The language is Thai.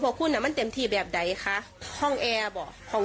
มีที่ให้นอนมีข้ามีข้าวให้กิน